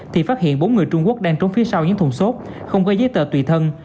thì phát hiện bốn người trung quốc đang trốn phía sau những thùng xốp không có giấy tờ tùy thân